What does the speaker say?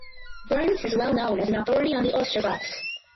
Burns is well known as an authority on the Ostrogoths.